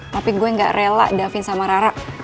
tapi gue gak rela daffin sama ra ra